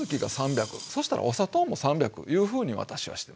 そしたらお砂糖も３００いうふうに私はしてる。